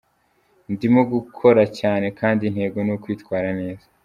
Ndimo gukora cyane kandi intego ni ukwitwara neza.